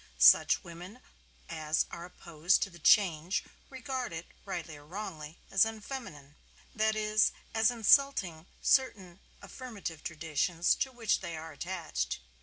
Such women as are opposed to the change regard it (rightly or wrongly) as unfeminine. That is, as insulting certain affirmative traditions to which they are attached.